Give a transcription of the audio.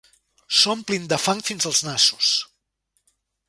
S’omplin de fang fins els nassos.